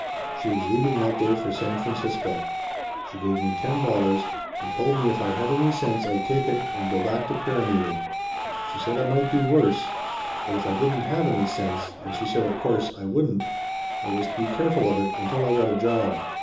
"She was leaving that day for San Francisco. She gave me ten dollars, and told me if I had any sense I'd take it and go back to prayer meeting. She said I might do worse. But if I didn't have any sense and she said of course I wouldn't I was to be careful of it until I got a job.